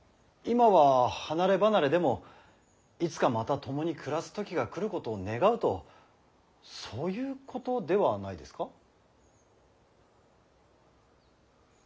今は離れ離れでもいつかまた共に暮らす時が来ることを願うとそういうことではないですか。